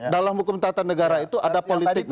dalam hukum tata negara itu ada politiknya